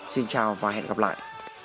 xin chào và hẹn gặp lại